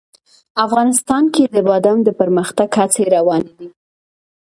افغانستان کې د بادام د پرمختګ هڅې روانې دي.